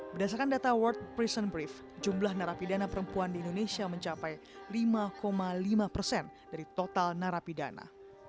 berdasarkan data world presson brief jumlah narapidana perempuan di indonesia mencapai lima lima persen dari total narapidana